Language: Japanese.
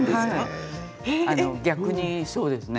逆にそうですね。